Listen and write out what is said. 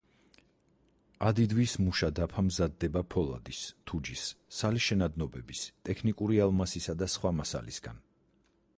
ადიდვის მუშა დაფა მზადდება ფოლადის, თუჯის, სალი შენადნობების, ტექნიკური ალმასისა და სხვა მასალისაგან.